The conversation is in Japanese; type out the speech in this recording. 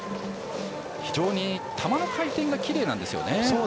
非常に球の回転がきれいなんです。